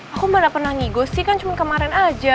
aku malah pernah ngigo sih kan cuma kemarin aja